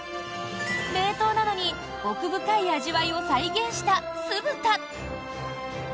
冷凍なのに奥深い味わいを再現した酢豚。